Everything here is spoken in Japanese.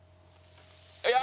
いや！